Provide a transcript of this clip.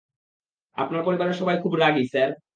আপনার পরিবারের সবাই খুব রাগী, স্যার।